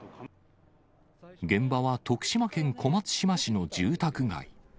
現場は徳島県小松島市の住宅街。